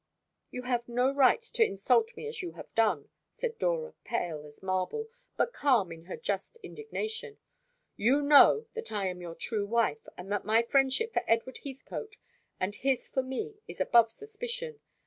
"You have no right to insult me as you have done," said Dora, pale as marble, but calm in her just indignation. "You know that I am your true wife, and that my friendship for Edward Heathcote and his for me is above suspicion.